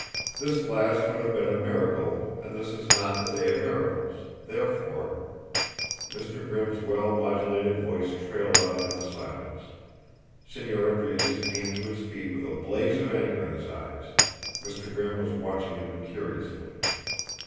This last would have been a miracle, and this is not the day of miracles, therefore !" Mr. Grimm's well modulated voice trailed off into silence. Señor Rodriguez came to his feet with a blaze of anger in his eyes; Mr. Grimm was watching him curiously.